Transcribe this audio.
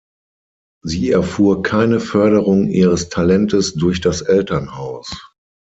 Sie erfuhr keine Förderung ihres Talentes durch das Elternhaus.